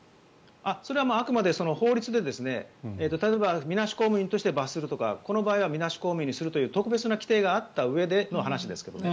それは、あくまで法律で例えばみなし公務員として罰するとか、この場合はみなし公務員にするという特別な規定があったうえでの話ですけれどね。